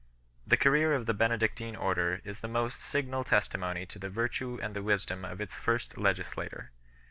The career of the Benedictine Order is the most signal testimony to the virtue and the wisdom \ of its first legislator.